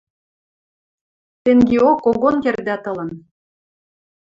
— Тенгеок когон кердӓт ылын.